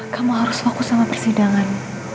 kamu harus fokus sama persidangan